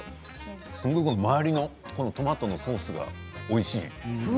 周りのトマトのソースがおいしい。